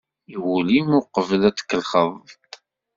I wul-im uqbel ad tkellxeḍ-t.